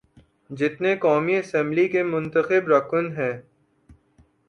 جتنے قومی اسمبلی کے منتخب رکن ہیں۔